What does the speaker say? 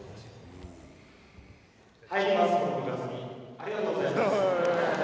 ありがとうございます。